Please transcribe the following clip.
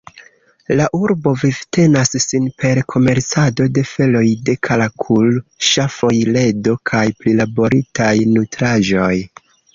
La urbo vivtenas sin per komercado de feloj de karakul-ŝafoj, ledo kaj prilaboritaj nutraĵoj.